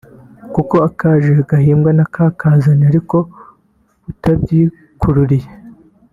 kuko akaje gahimwa n’akakazanye ariko utabyikururiye